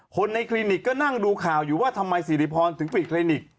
คนในคลินิกก็นั่งดูข่าวอยู่ว่าทำไมสิริพรถึงปิดคลินิก